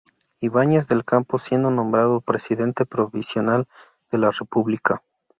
Ibáñez del Campo, siendo nombrado Presidente Provisional de la República.